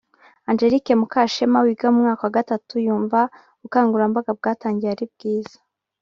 Angelique Mukashema wiga mu mwaka wa gatatu yumva ubukangurambaga bwatangiye ari bwiza